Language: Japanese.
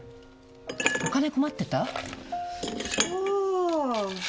お金困ってた？さあ。